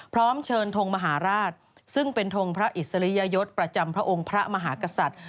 พร้อมเชิญทงมหาราชซึ่งเป็นทงพระอิสริยยศประจำพระองค์พระมหากษัตริย์